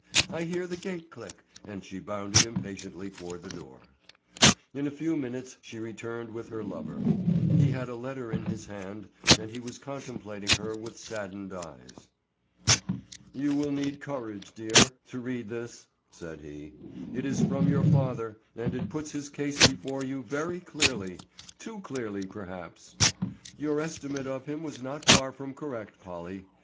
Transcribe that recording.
I hear the gate click," and she bounded impatiently toward the door. In a few minutes she returned with her lover; he had a letter in his hand and he was contemplating her with saddened eyes. "You will need courage, dear, to read this," said he. "It is from your father and it puts his case before you very clearly—too clearly, perhaps. Your estimate of him was not far from correct, Polly.